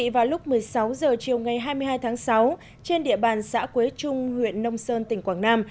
vào lúc một mươi sáu h chiều ngày hai mươi hai tháng sáu trên địa bàn xã quế trung huyện nông sơn tỉnh quảng nam